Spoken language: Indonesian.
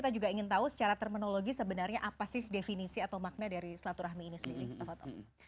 kita juga ingin tahu secara terminologi sebenarnya apa sih definisi atau makna dari silaturahmi ini sendiri kita foto